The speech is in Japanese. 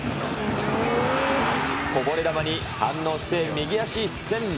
こぼれ球に反応して右足一せん。